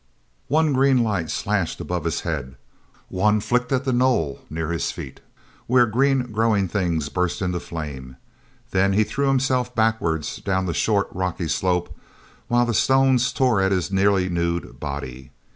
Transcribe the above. ne green light slashed above his head. One flicked at the knoll near his feet, where green growing things burst into flame—then he threw himself backward down the short rocky slope while the stones tore at his nearly nude body.